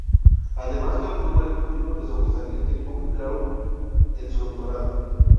Además que obtuvo el titulo de sobresaliente cum laude en su doctorado.